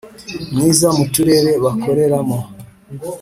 Myiza mu turere bakoreramo